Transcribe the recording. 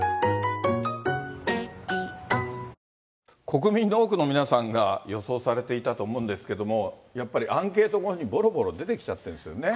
国民の多くの皆さんが予想されていたと思うんですけれども、やっぱりアンケート後にぼろぼろ出てきちゃってるんですよね。